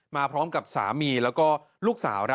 มาพร้อมกับสามีแล้วก็ลูกสาว